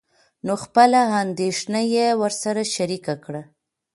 نو خپله اندېښنه يې ورسره شريکه کړه.